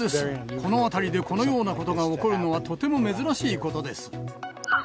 この辺りでこのようなことが起こるのは、とても珍しいことです。